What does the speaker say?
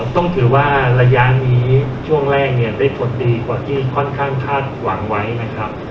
ต้องถือว่าระยะนี้ช่วงแรกเนี่ยได้ผลดีกว่าที่ค่อนข้างคาดหวังไว้นะครับ